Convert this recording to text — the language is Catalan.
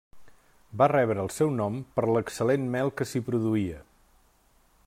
Va rebre el seu nom per l'excel·lent mel que s'hi produïa.